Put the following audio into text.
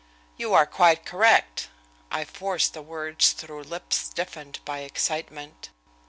"You are quite correct." I forced the words through lips stiffened by excitement.